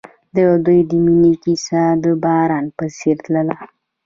د دوی د مینې کیسه د باران په څېر تلله.